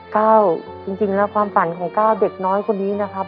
ก้าวจริงแล้วความฝันของก้าวเด็กน้อยคนนี้นะครับ